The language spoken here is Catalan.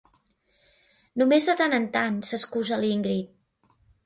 Només de tant en tant —s'excusa l'Ingrid.